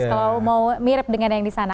kalau mau mirip dengan yang disana